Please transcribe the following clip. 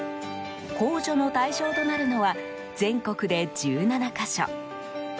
控除の対象となるのは全国で１７か所。